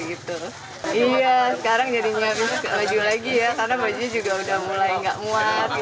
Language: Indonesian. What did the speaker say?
iya sekarang jadinya baju lagi ya karena bajunya juga udah mulai nggak muat